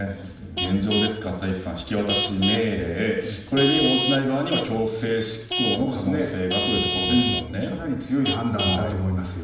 現状で、引き渡し命令これに応じない場合には強制執行の可能性がかなり強い判断だと思います。